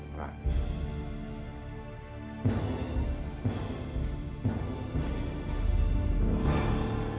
oh ya pak